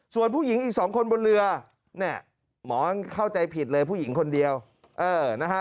ส่วนผู้หญิงอีกสองคนบนเรือเนี่ยหมอยังเข้าใจผิดเลยผู้หญิงคนเดียวเออนะฮะ